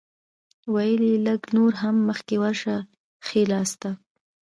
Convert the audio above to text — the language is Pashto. ویل یې لږ نور هم مخکې ورشه ښی لاسته.